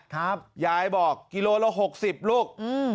ครับย้ายบอกกิโลกรัมละหกสิบลูกอืม